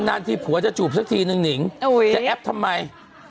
นานทีผัวจะจูบสักทีนึงหนิงจะแอปทำไม